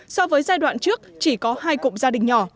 so với giai đoạn trước chỉ có hai cụm gia đình nhỏ